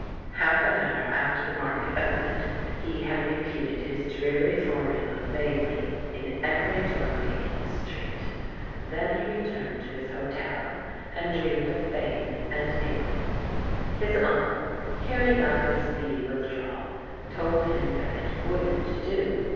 Half an hour after the Market opened he had repeated his dreary formula vainlv in 86 THE MAN WHO UNDERSTOOD WOMEN every doorway in the street. Then he returned to his hotel, and dreamed of fame and England. His uncle, hearing of his speedy withdrawal, told him that it wouldn't do.